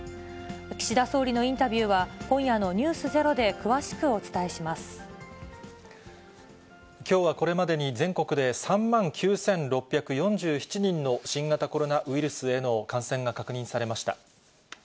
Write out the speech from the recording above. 岸田総理のインタビューは、今夜のｎｅｗｓｚｅｒｏで詳しきょうはこれまでに、全国で３万９６４７人の新型コロナウイルスへの感染が確認されました。